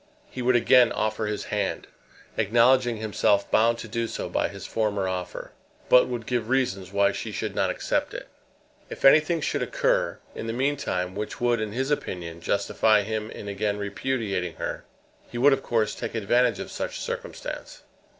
He would again offer his hand, acknowledging himself bound to do so by his former offer, but would give reasons why she should not accept it. If anything should occur in the meantime which would, in his opinion, justify him in again repudiating her, he would of course take advantage of such circumstance.